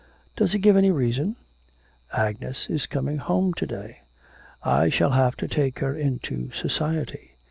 'Does he give any reason?' 'Agnes is coming home to day. I shall have to take her into society.